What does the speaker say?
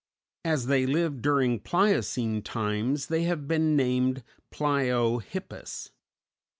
As they lived during Pliocene times, they have been named "Pliohippus."